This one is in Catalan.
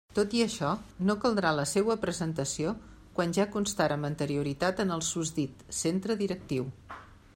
Tot i això, no caldrà la seua presentació quan ja constara amb anterioritat en el susdit centre directiu.